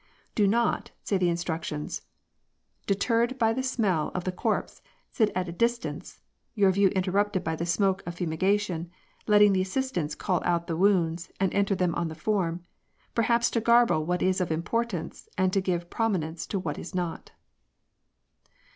" Do not," say the Instructions, " deterred by the smell of the corpse, sit at a distance, your view intercepted by the smoke of fumigation, letting the assistants call out the wounds and enter them on the form, perhaps to garble what is of importance and to give prominence to what is not."